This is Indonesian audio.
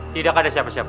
tidak ada siapa siapa